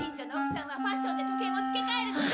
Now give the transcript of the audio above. ファッションで時計もつけ替えるのよ！